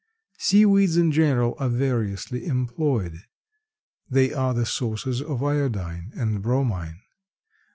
Sea weeds in general are variously employed. They are the sources of iodine and bromine.